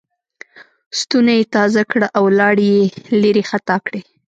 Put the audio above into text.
ستونی یې تازه کړ او لاړې یې لېرې خطا کړې.